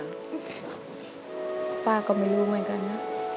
ป้าก็ไม่รู้เหมือนกันนะ